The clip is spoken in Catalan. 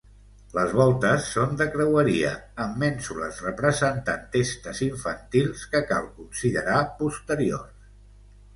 Les voltes són de creueria amb mènsules representant testes infantils que cal considerar posteriors.